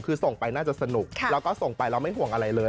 คือส่งไปน่าจะสนุกแล้วก็ส่งไปเราไม่ห่วงอะไรเลย